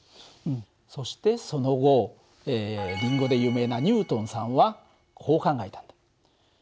そしてその後リンゴで有名なニュートンさんはこう考えたんだ。